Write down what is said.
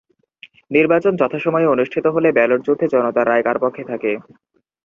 নির্বাচন যথাসময়ে অনুষ্ঠিত হলে ব্যালট যুদ্ধে জনতার রায় কার পক্ষে থাকে।